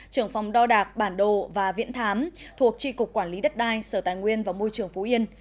trưởng phòng đo đạc bản đồ và viễn thám thuộc tri cục quản lý đất đai sở tài nguyên và môi trường phú yên